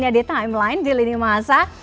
di timeline di lini masa